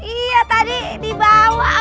iya tadi dibawa